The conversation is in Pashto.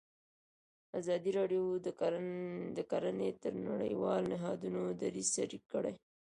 ازادي راډیو د کرهنه د نړیوالو نهادونو دریځ شریک کړی.